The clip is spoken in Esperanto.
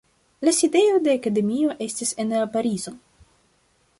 La sidejo de akademio estis en Parizo.